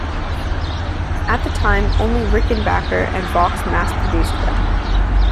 At the time, only Rickenbacker and Vox mass-produced them.